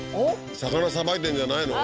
魚さばいてんじゃないの？